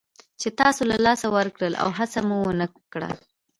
چې تاسو له لاسه ورکړل او هڅه مو ونه کړه.